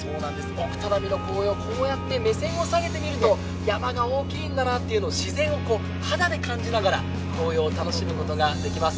奥只見の紅葉、こうやって目線を下げてみると山が大きいんだなという自然を肌で感じながら紅葉を楽しむことができます。